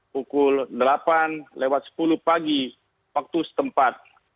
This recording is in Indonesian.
pukul delapan lewat sepuluh pagi waktu setempat